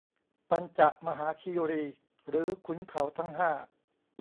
ปัญจมหาคีรี หรือขุนเขาทั้งห้า